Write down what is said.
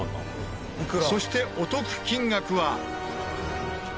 そしてお得金額は。